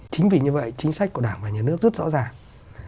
chính vì như vậy chính sách của đảng và nhà nước rất rõ ràng